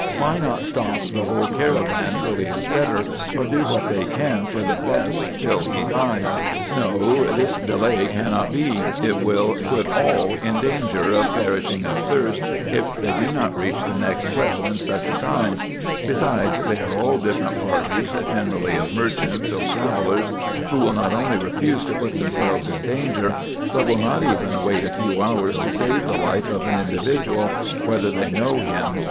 Why not stop the whole caravan till he is better, or do what they can for the best till he dies ? No, this delay cannot be ; it will put all indanger of perishing of thirst if they do not reach the next well in such a time ; besides, they are all different parties generally of merchants or travellers, who will not only refuse to put themselves in danger, but will not even wait a few hours to save the life of an individual, whether they know him or not.